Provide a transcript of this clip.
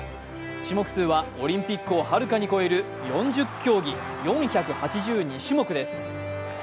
種目数はオリンピックをはるかに超える４０競技４８２種目です。